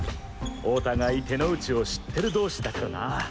お互い手の内を知ってる同士だからな。